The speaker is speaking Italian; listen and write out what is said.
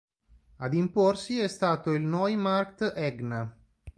Ad imporsi è stato il Neumarkt-Egna.